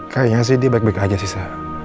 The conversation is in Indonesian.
kayaknya sih dia baik baik aja sih sa